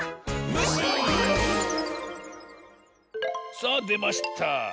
さあでました！